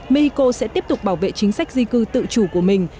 mexico sẽ tiếp tục bảo vệ chính sách di cư tự chủ của mình